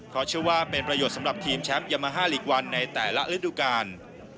เพราะเชื่อว่าเป็นประโยชน์สำหรับทีมแชมป์ยามาฮาลีกวันในแต่ละฤดูกาล